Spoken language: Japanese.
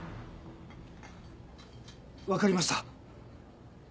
わかりました。